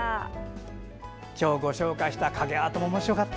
今日ご紹介した影アートもおもしろかった。